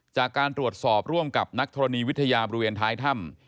จากการตรวจสอบร่วมกับนักธรณีวิทยาบริเวณท้ายถ้ำ